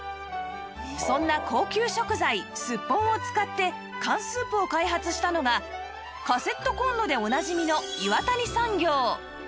そんな高級食材すっぽんを使って缶スープを開発したのがカセットコンロでおなじみの岩谷産業